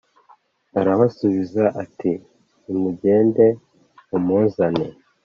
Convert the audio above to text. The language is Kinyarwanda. Arabasubiza ati nimugende mumuzane